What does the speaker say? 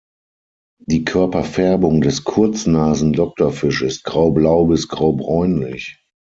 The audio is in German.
Die Körperfärbung des Kurznasen-Doktorfisch ist graublau bis graubräunlich.